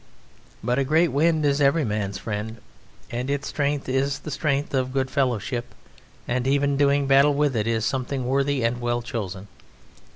But a great wind is every man's friend, and its strength is the strength of good fellowship; and even doing battle with it is something worthy and well chosen.